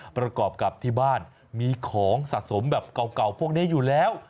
ประกอบกับที่บ้านมีของสะสมแบบเก่าพวกนี้อยู่แล้ว